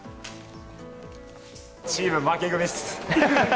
チーム負け組っす。